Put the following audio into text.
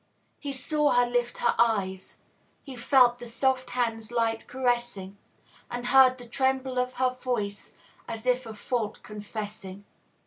He saw her lift her eyes; he felt The soft hand's light caressing, And heard the tremble of her voice, As if a fault confessing.